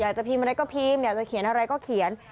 อยากจะพิมพ์อะไรก็พิมพ์อยากจะเขียนอะไรก็เขียน